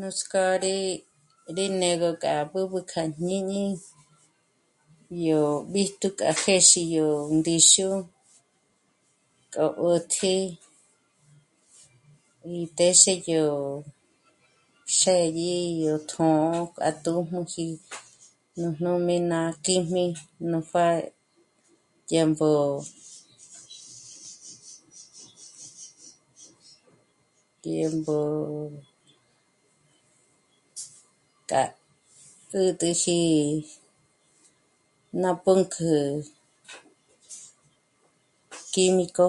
Nuts'k'ó rí rí né'egö k'a b'ǚb'ü kjá jñíñi yó b'íjtu k'a jéxí yó ndíxu k'a b'ǘtji í téxe yó xë́dyi, yó tjṓ'ō k'a tū̌müji nújnujmé ná kíjmi nú pjá' dyë̀mbo, dyë̀mbo k'a 'ä̀t'äji ná pǔnkjü kíjmiko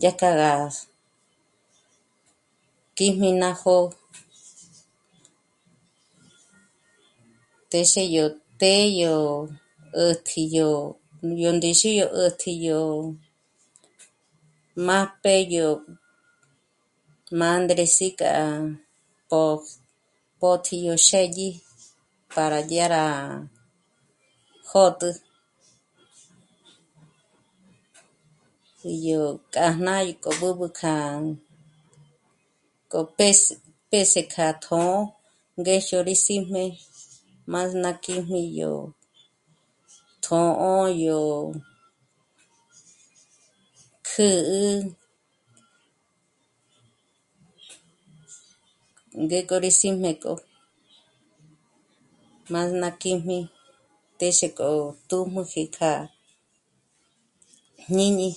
dyá k'a gá kíjmi ná jó'o téxe yò të́'ë yó 'ä̀tji yó, yó ndíxi yó 'ä̀tji yó má'p'e yó mândres'i k'a pój... pó'tji yó xë́dyi para dyà rá jót'ü í yó kjájna í k'o b'ǚb'ü kjan... k'o pés, pés'e kja tjṓ'ō ngéjyo rí síjme má ná kíjmi yó tjṓ'ō yó kjǚ'ü, ngéko rí síjme k'o má ná kíjmi téxe k'o tū̌müji k'a jñíñi